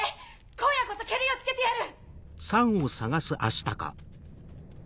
今夜こそケリをつけてやる！